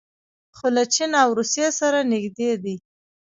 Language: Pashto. خو له چین او روسیې سره نږدې دي.